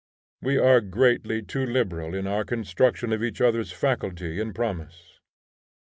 We are greatly too liberal in our construction of each other's faculty and promise.